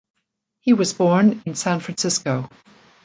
He was born in San Francisco.